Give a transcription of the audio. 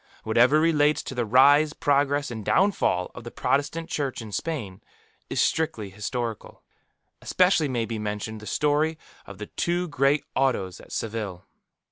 Whatever relates to the rise, progress, and downfall of the Protestant Church in Spain, is strictly historical. Especially may be mentioned the story of the two great Autos at Seville.